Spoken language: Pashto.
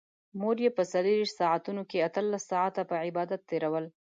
مور يې په څلرويشت ساعتونو کې اتلس ساعته په عبادت تېرول.